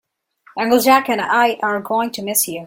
Uncle Jack and I are going to miss you.